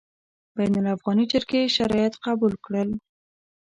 بین الافغاني جرګې شرایط قبول کړل.